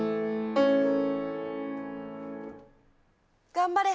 頑張れ。